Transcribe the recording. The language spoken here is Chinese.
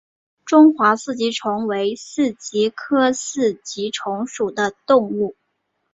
中华四极虫为四极科四极虫属的动物。